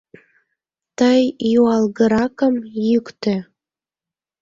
Тый юалгыракым йӱктӧ!